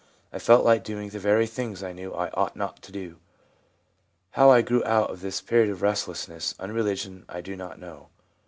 I felt like doing the very things I knew I ought not to do. How I grew out of this period of restless unreligion I do not know.